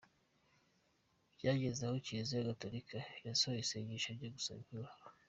Byageze aho Kiliziya Gatulika yasohoye isengesho ryo gusaba imvura.